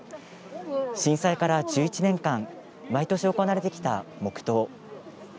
震災から１１年間毎年行われてきた黙とう。